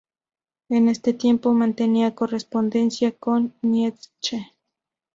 En este tiempo mantenía correspondencia con Nietzsche.